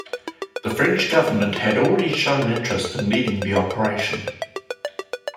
The French Government had already shown interest in leading the operation.